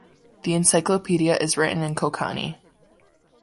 The encyclopedia is written in Konkani.